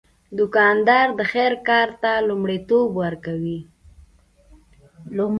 دوکاندار د خیر کار ته لومړیتوب ورکوي.